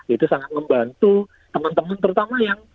itu sangat membantu teman teman terutama yang